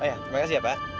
oh iya terima kasih pak